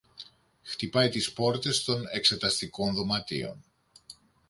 χτυπάει τις πόρτες των εξεταστικών δωματίων